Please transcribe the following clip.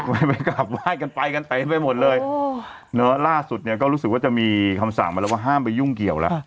ไปกลับไหว้กันไปกันเต็มไปหมดเลยล่าสุดเนี่ยก็รู้สึกว่าจะมีคำสั่งมาแล้วว่าห้ามไปยุ่งเกี่ยวแล้ว